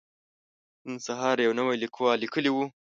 نن سهار يو نوي ليکوال ليکلي وو.